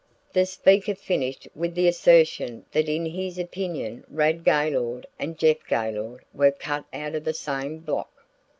The speaker finished with the assertion that in his opinion Rad Gaylord and Jeff Gaylord were cut out of the same block.